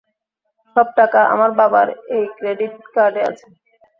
সব টাকা আমার বাবার এই ক্রেডিট কার্ডে আছে।